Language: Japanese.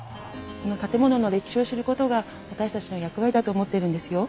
この建物の歴史を知ることが私たちの役割だと思ってるんですよ。